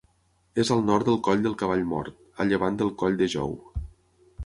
És al nord del Coll del Cavall Mort, a llevant del Coll de Jou.